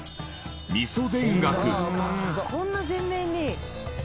「こんな全面に！」